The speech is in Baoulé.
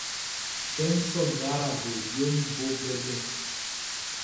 Kɛ n sɔ min aradioʼn, djueʼn bo blɛblɛblɛ.